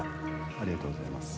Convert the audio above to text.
ありがとうございます